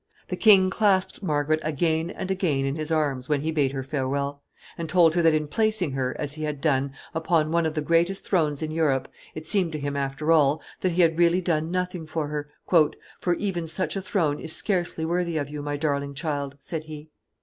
The king clasped Margaret again and again in his arms when he bade her farewell, and told her that in placing her, as he had done, upon one of the greatest thrones in Europe, it seemed to him, after all, that he had really done nothing for her, "for even such a throne is scarcely worthy of you, my darling child," said he.